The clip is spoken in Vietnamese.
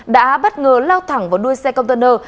đã bất ngờ lao thẳng vào đuôi xe container